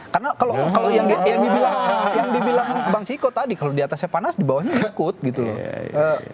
karena kalau yang dibilang bang ciko tadi kalau diatasnya panas dibawahnya ikut gitu loh